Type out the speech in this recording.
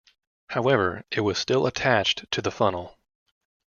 However, it was still attached to the funnel.